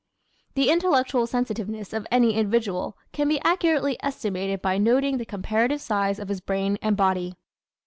The intellectual sensitiveness of any individual can be accurately estimated by noting the comparative size of his brain and body.